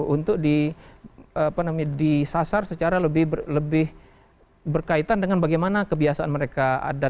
untuk disasar secara lebih berkaitan dengan bagaimana kebiasaan mereka ada